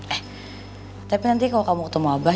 eh tapi nanti kalau kamu ketemu abah